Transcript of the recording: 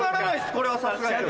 これはさすがに。